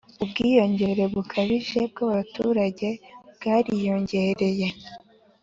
ubwiyongere bukabije bw'abaturage bwariyongereye